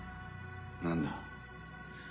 何だ？